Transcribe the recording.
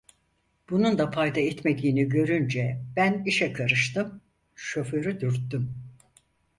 Bunun da fayda etmediğini görünce ben işe karıştım, şoförü dürttüm: